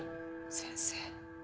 先生。